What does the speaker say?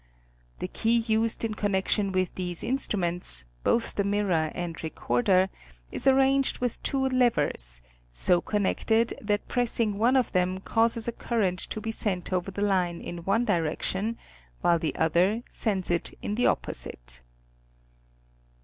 The key used in connection with these instruments, both the mirror and recorder, is arranged with two levers, so connected that pressing one of them causes a current to be sent over the line in one direction, while the other sends it in the opposite.